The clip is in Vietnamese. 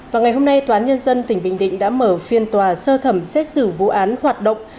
và ngày hôm nay tòa án nhân dân tỉnh bình định đã mở phiên tòa sơ thẩm xét xử vụ án hoạt động